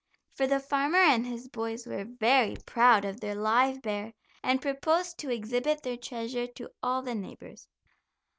For the farmer and his boys were very proud of their live bear, and proposed to exhibit their treasure to all the neighbors.